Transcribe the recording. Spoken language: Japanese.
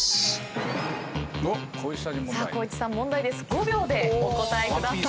５秒でお答えください。